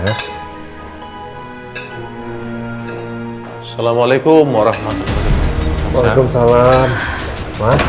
assalamualaikum warahmatullahi wabarakatuh